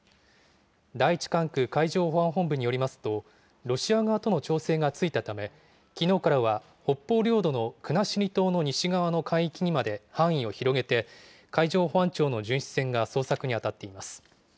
第１管区海上保安本部によりますと、ロシア側との調整がついたため、きのうからは、北方領土の国後島の西側の海域にまで範囲を広げて、海上保安庁の巡視船が捜索に当たっています。